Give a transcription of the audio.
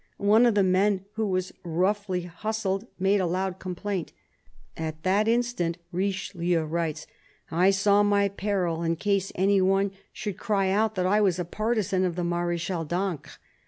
One of the men who was roughly hustled made a loud complaint. " At that instant," Richelieu writes, " I saw my peril, in case any one should cry out that I was a partisan of the Mar6chal d'Ancre.